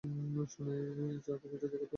সোনা, এই ঝাড়বাতিটা দেখো তো।